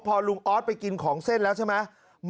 พอลุงออสไปกินของเส้นแล้วใช่ไหม